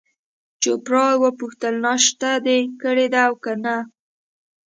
چوپړوال وپوښتل: ناشته دي کړې ده او که نه؟